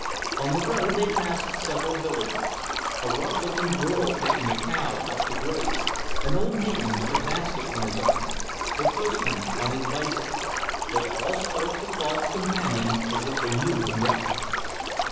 On the road they passed several villagers; a rough looking girl taking a cow out to graze, an old man with a basket on his arm, the postman on his bicycle; they all spoke to Claude's companion as if they knew him well.